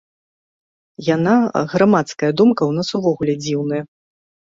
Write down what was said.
Яна, грамадская думка, у нас увогуле дзіўная.